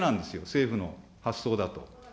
政府の発想だと。